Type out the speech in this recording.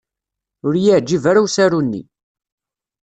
Ur y-iεǧib ara usaru-nni